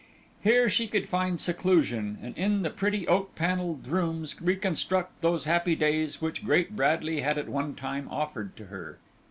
Here she could find seclusion, and in the pretty oak panelled rooms reconstruct those happy days which Great Bradley had at one time offered to her.